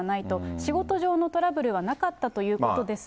仕事上のトラブルはなかったということですが。